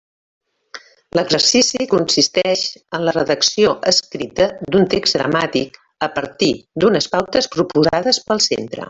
L'exercici consisteix en la redacció escrita d'un text dramàtic, a partir d'unes pautes proposades pel centre.